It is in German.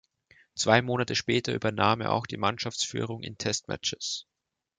Zwei Monate später übernahm er auch die Mannschaftsführung in Test Matches.